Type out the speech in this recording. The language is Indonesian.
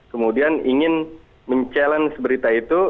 kemudian ingin mencabar berita itu